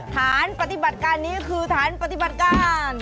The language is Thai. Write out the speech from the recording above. ฐานปฏิบัติการนี้คือฐานปฏิบัติการ